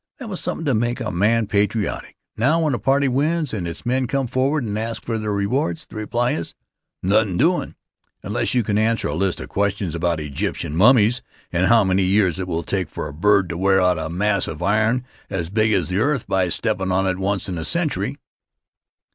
That was somethin' to make a man patriotic. Now, when a party wins and its men come forward and ask for their rewards, the reply is, "Nothin' doin', unless you can answer a list of questions about Egyptian mummies and how many years it will take for a bird to wear out a mass of iron as big as the earth by steppin' on it once in a century?"